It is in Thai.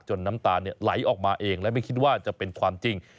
น้ำตาไหลออกมาเองและไม่คิดว่าจะเป็นความจริง